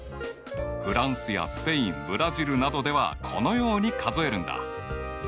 フランスやスペインブラジルなどではこのように数えるんだ。